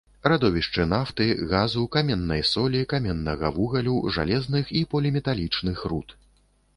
Радовішчы нафты, газу, каменнай солі, каменнага вугалю, жалезных і поліметалічных руд.